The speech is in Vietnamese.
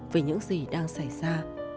về những gì đang xảy ra